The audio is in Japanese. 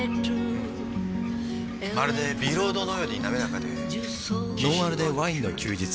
まるでビロードのように滑らかでフフッ「ノンアルでワインの休日」